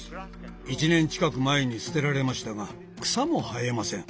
１年近く前にすてられましたが草も生えません。